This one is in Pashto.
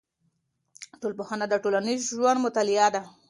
ټولنپوهنه د ټولنیز ژوند مطالعه ده.